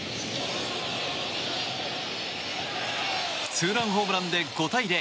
ツーランホームランで５対０。